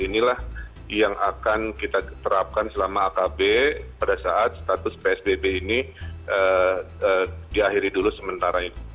inilah yang akan kita terapkan selama akb pada saat status psbb ini diakhiri dulu sementara itu